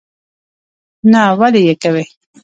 نه ولي یې کوې?